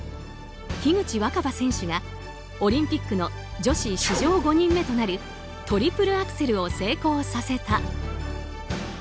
樋口新葉選手がオリンピックの女子史上５人目となるトリプルアクセルを成功させた。